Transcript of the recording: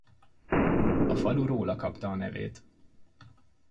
A falu róla kapta a nevét.